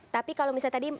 tapi kalau misalnya tadi